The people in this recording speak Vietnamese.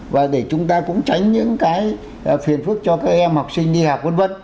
và để chúng ta cũng tránh những cái phiền phức cho các em học sinh đi học v v